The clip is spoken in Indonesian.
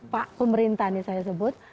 pak pemerintah nih saya sebut